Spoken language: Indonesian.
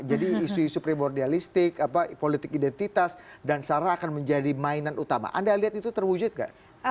isu isu primordialistik politik identitas dan sarah akan menjadi mainan utama anda lihat itu terwujud nggak